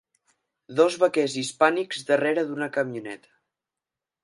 Dos vaquers hispànics darrere d'una camioneta.